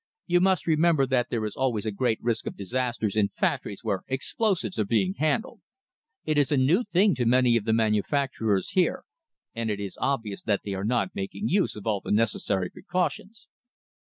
"You must remember that there is always a great risk of disasters in factories where explosives are being handled. It is a new thing to many of the manufacturers here, and it is obvious that they are not making use of all the necessary precautions."